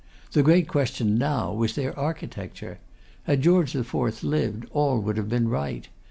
The great question now was their architecture. Had George IV. lived all would have been right.